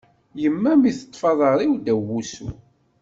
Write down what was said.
Yemma mi teṭṭef aḍar-iw ddaw wusu.